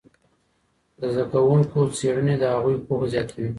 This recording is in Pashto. د زده کوونکو څېړني د هغوی پوهه زیاتوي.